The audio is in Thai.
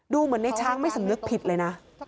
เหมือนในช้างไม่สำนึกผิดเลยนะ